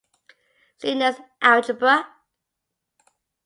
See nest algebra.